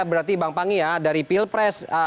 berarti bang panggila dari pilpres